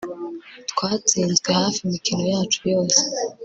Twatsinzwe hafi imikino yacu yose